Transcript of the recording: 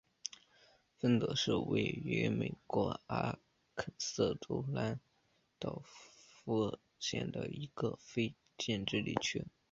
芬德是位于美国阿肯色州兰道夫县的一个非建制地区。